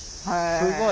すごい。